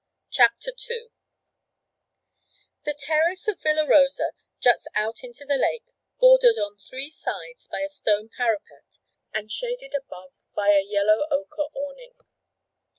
CHAPTER II The terrace of Villa Rosa juts out into the lake, bordered on three sides by a stone parapet, and shaded above by a yellow ochre awning.